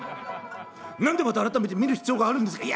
何でまた改めて見る必要があるんですか」。